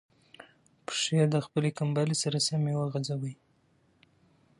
پښې د خپلې کمپلې سره سمې وغځوئ.